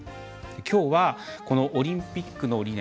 きょうはこのオリンピックの理念